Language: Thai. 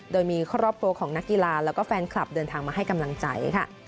โดยมีครอบครัวของนักกีฬาแล้วก็แฟนคลับเดินทางมาให้กำลังใจค่ะ